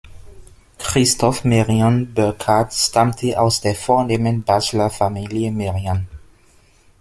Christoph Merian-Burckhardt stammte aus der vornehmen Basler Familie Merian.